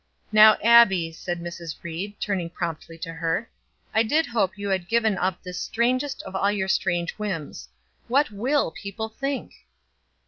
"Now, Abbie," said Mrs. Ried, turning promptly to her, "I did hope you had given up this strangest of all your strange whims. What will people think?"